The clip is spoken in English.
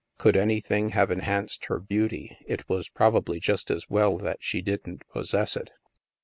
Could anything have enhanced her beauty, it was probably just as well that she didn't possess it.